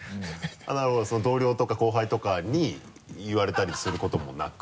なるほど同僚とか後輩とかに言われたりすることもなく？